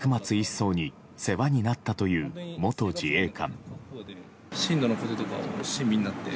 曹に世話になったという元自衛官。